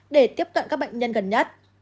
để tiếp cận các bệnh nhân gần nhất